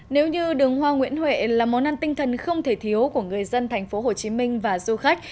nếu như đường hoa nguyễn huệ là món ăn tinh thần không thể thiếu của người dân tp hcm và du khách